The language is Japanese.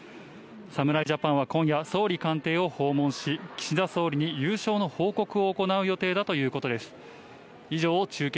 侍ジャパンは今夜、総理官邸を訪問し、岸田総理に優勝の報告を行う予定だということです。